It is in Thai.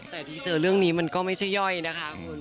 แต่ที่เจอเรื่องนี้มันก็ไม่ใช่ย่อยนะคะคุณ